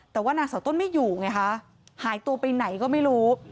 แต่ว่านางสาวต้นไม่อยู่ไงคะหายตัวไปไหนก็ไม่รู้